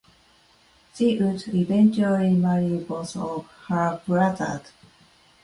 She would eventually marry both of her brothers.